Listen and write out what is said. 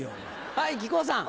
はい木久扇さん。